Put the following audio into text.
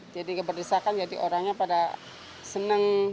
jadi orangnya pada seneng